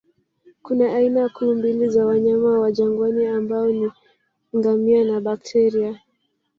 Kuna aina kuu mbili za wanyama wa jangwani ambao ni ngamia na bakteria